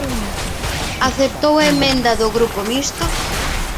¿Aceptou a emenda do Grupo Mixto?